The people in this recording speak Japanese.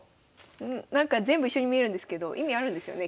なんか全部一緒に見えるんですけど意味あるんですよね？